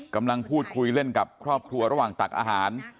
กำลังพูดคุยเล่นกับครอบครัวระหว่างตักอาหาร